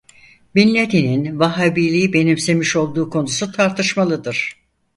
Bin Ladin'in Vahhabiliği benimsemiş olduğu konusu tartışmalıdır.